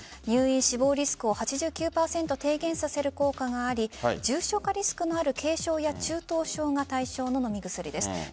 入院死亡リスクを８９％低減させる効果があり重症化リスクのある軽症や中等症が対象の飲み薬です。